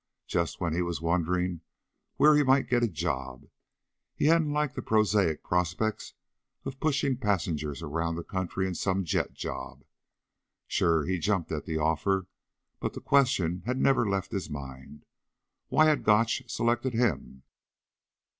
(Just when he was wondering where he might get a job. He hadn't liked the prosaic prospects of pushing passengers around the country in some jet job.) Sure, he'd jumped at the offer. But the question had never left his mind. _Why had Gotch selected him?